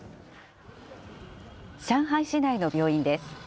上海市内の病院です。